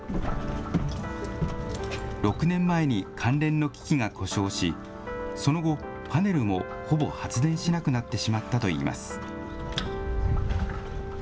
６年前に関連の機器が故障し、その後、パネルもほぼ発電しなくなってしまったといいます。